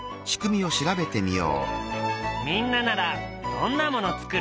みんなならどんなもの作る？